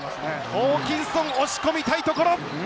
ホーキンソン、押し込みたいところ！